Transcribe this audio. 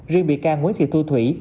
riêng bị can nguyễn thị thu thủy